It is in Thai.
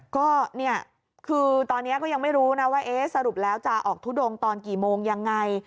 ก็คือตอนนี้ก็ยังไม่รู้นะว่าเอ๊ะสรุปแล้วจะออกทุดงตอนกี่โมงยังไง